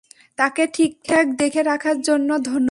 তাকে ঠিকঠাক দেখে রাখার জন্য ধন্যবাদ।